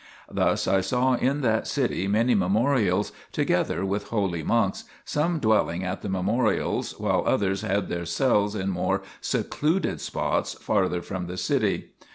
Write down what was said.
Thus I saw in that city many memorials, together with holy monks, some dwelling at the memorials, while others had their cells in more secluded spots farther from the city.